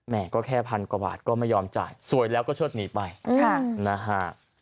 ก็แค่พันกว่าบาทก็ไม่ยอมจ่ายสวยแล้วก็เชิดหนีไปนะฮะ